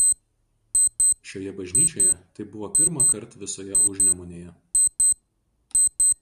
Šioje bažnyčioje tai buvo pirmąkart visoje Užnemunėje.